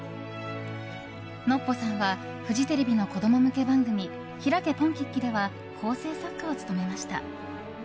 のっぽさんはフジテレビの子供向け番組「ひらけ！ポンキッキ」では構成作家を務めました。